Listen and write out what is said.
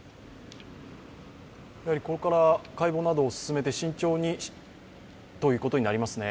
ここから解剖などを進めて慎重にということになりますね。